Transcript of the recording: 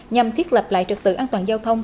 nhằm thiết lập lại trật tự an toàn giao thông